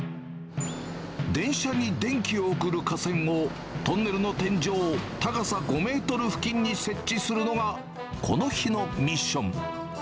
電車に電気を送る架線を、トンネルの天井高さ５メートル付近に設置するのがこの日のミッション。